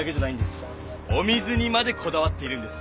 お水にまでこだわっているんです！